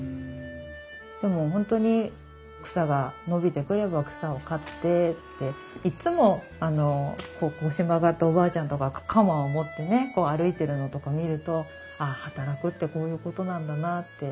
でも本当に草が伸びてくれば草を刈ってっていっつも腰曲がったおばあちゃんとかが鎌を持ってね歩いてるのとか見るとああ働くってこういうことなんだなって。